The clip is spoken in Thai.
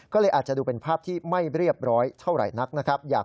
ก็เลยอาจจะดูเป็นภาพที่ไม่เรียบร้อยเท่าไหร่นักนะครับ